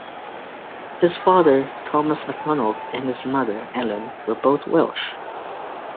His father, Thomas Macdonald, and his mother, Ellen, were both Welsh.